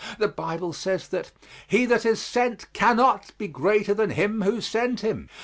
The Bible says that "he that is sent cannot be greater than him who sent him."